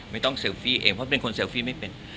เซลฟี่เองเพราะเป็นคนเลฟี่ไม่เป็น